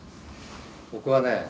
僕はね